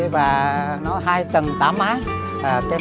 và nó hai tầng tá mái